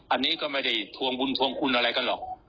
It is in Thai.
อันนี้ก็ไม่ได้ทวงบุญทวงคุณอะไรกันหรอก